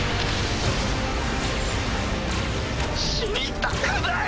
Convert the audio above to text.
死にたくない。